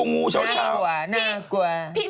เม้าแซวไว้